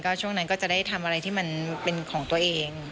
ช่วงนั้นก็จะได้ทำอะไรที่มันเป็นของตัวเอง